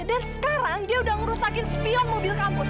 dan sekarang dia udah ngerusakin spion mobil kampus